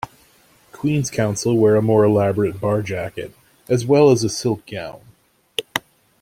Queen's Counsel wear a more elaborate bar jacket as well as a silk gown.